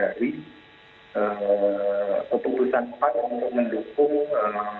dari kisah satu sampai empat kemudian berikutnya kalau saya melihat tuduhan tuduhan yang disampaikan tadi dibacakan oleh mas berdi